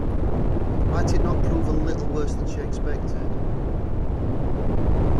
Might it not prove a little worse than she expected?